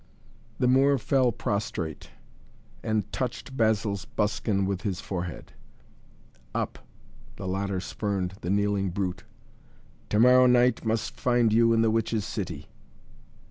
The Moor fell prostrate and touched Basil's buskin with his forehead. "Up!" the latter spurned the kneeling brute. "To morrow night must find you in the Witches' City."